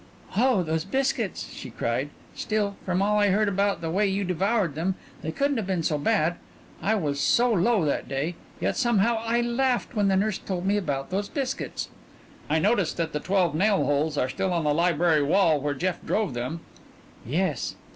"Oh, those biscuits," she cried. "Still, from all I heard about the way you devoured them, they couldn't have been so bad. I was so low that day, yet somehow I laughed when the nurse told me about those biscuits." "I noticed that the twelve nail holes are still in the library wall where Jeff drove them." "Yes."